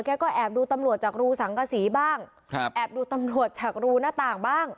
ก็แอบดูตำรวจจากรูสังกษีบ้างครับแอบดูตำรวจจากรูหน้าต่างบ้าง